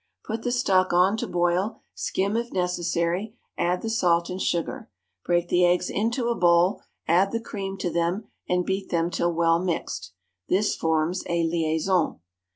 Put the stock on to boil; skim if necessary; add the salt and sugar. Break the eggs into a bowl, add the cream to them, and beat them till well mixed. This forms a "liaison."